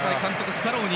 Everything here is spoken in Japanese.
スカローニ。